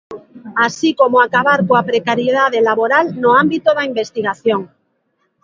Así como acabar coa precariedade laboral no ámbito da investigación.